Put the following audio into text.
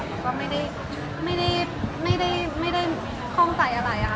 แล้วก็ไม่ได้ไม่ได้ไม่ได้ไม่ได้ความใจอะไรนะคะ